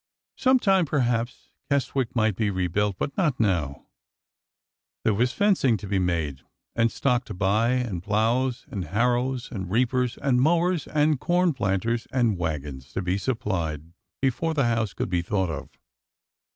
Sometime, perhaps, Keswick might be re built, but not now. There was fencing to be made, and stock to buy, and plows and harrows and reapers and mowers and corn planters and wagons to be supplied be THE DOVFS CALL 403 fore the house could be thought of.